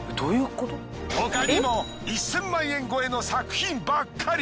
他にも１，０００万円超えの作品ばっかり。